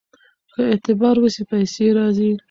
که اعتبار وي پیسې راځي.